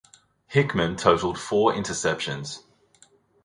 Hickman totaled four interceptions.